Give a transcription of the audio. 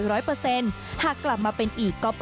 หากกลับมาเป็นอีกก็ปล่อยให้เป็นเรื่องของอนาคต